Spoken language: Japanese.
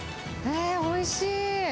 おいしい。